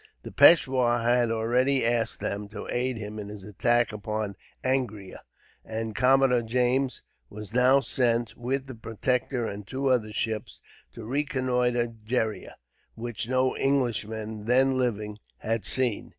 The peishwar had already asked them to aid him in his attack upon Angria, and Commodore James was now sent, with the Protector and two other ships, to reconnoitre Gheriah, which no Englishman then living had seen.